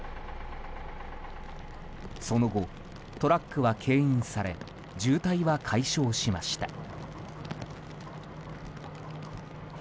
その後、トラックはけん引され渋滞は解消しました。